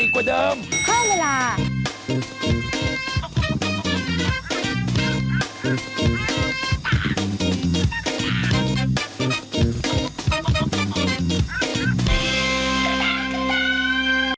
โปรดติดตามตอนต่อไป